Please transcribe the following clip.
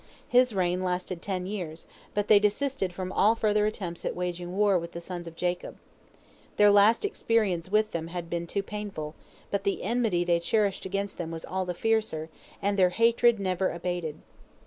His reign lasted ten years, but they desisted from all further attempts at waging war with the sons of Jacob. Their last experience with them had been too painful, but the enmity they cherished against them was all the fiercer, and their hatred never abated.